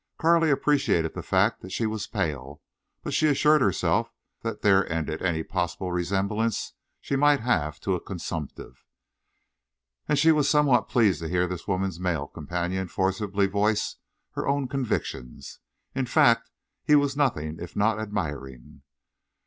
Carley appreciated the fact that she was pale, but she assured herself that there ended any possible resemblance she might have to a consumptive. And she was somewhat pleased to hear this woman's male companion forcibly voice her own convictions. In fact, he was nothing if not admiring.